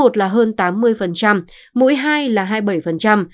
tỉ lệ tiêm phòng mũi một là hơn tám mươi mũi hai là hai mươi bảy